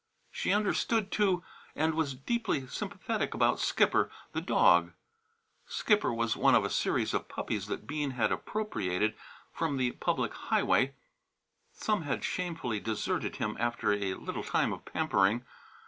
She understood, too, and was deeply sympathetic about Skipper, the dog. Skipper was one of a series of puppies that Bean had appropriated from the public highway. Some had shamefully deserted him after a little time of pampering.